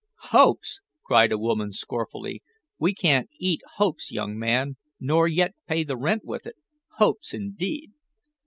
"Hopes!" cried a woman scornfully. "We can't eat hopes, young man, nor yet pay the rent with it. Hopes indeed!"